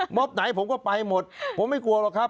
ไหนผมก็ไปหมดผมไม่กลัวหรอกครับ